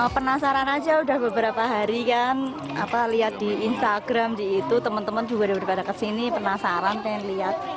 pernah pernahan saja sudah beberapa hari kan lihat di instagram teman teman juga sudah berada ke sini penasaran pengen lihat